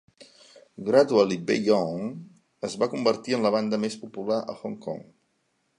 Gradually Beyond es va convertir en la banda més popular a Hong Kong.